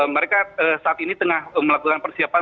mereka saat ini tengah melakukan persiapan